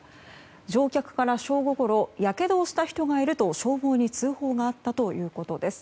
乗客から正午ごろやけどをした人がいると消防に通報があったということです。